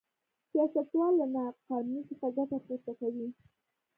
سیاستوال له نا قانونۍ څخه ګټه پورته کوي.